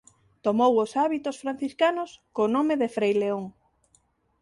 Tomou os hábitos franciscanos co nome de Frei León.